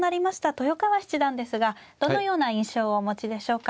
豊川七段ですがどのような印象をお持ちでしょうか。